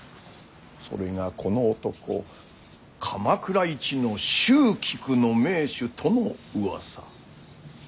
それがこの男鎌倉一の蹴鞠の名手とのうわさ。